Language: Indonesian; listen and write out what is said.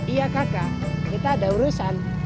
iya kakak kita ada urusan